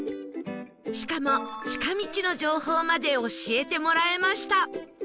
しかも近道の情報まで教えてもらえました！